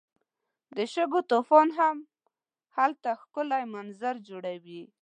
د شګو طوفان هم هلته ښکلی منظر جوړوي.